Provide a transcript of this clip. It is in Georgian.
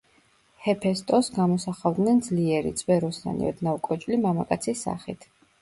ჰეფესტოსს გამოსახავდნენ ძლიერი, წვეროსანი, ოდნავ კოჭლი მამაკაცის სახით.